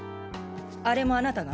あれもあなたが？